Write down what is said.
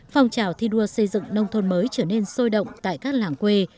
phong trào thi đua xây dựng nông thôn mới trở nên sôi động tại các làng quê